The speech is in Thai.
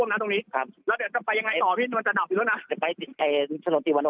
รถมอเตอร์ไทยนี่พยายามเลี้ยงเครื่องยนต์